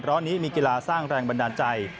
ร้อนนี้มีกีฬาสร้างแรงบันดาลใจ